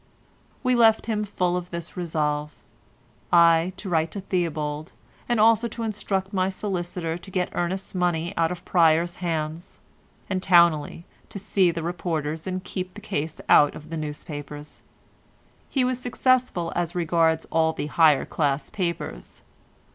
We left him full of this resolve, I, to write to Theobald, and also to instruct my solicitor to get Ernest's money out of Pryer's hands, and Towneley to see the reporters and keep the case out of the newspapers. He was successful as regards all the higher class papers.